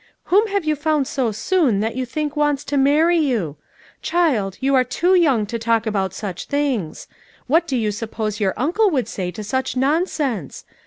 Whom have you found so soon that you think wants to marry you? Child, you aro too young to talk about snob things! What do you suppose your uncle would say to such nonsense?